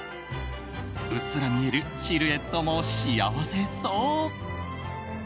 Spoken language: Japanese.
うっすら見えるシルエットも幸せそう。